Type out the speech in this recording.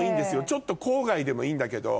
ちょっと郊外でもいいんだけど。